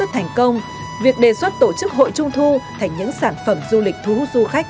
thành công việc đề xuất tổ chức hội trung thu thành những sản phẩm du lịch thu hút du khách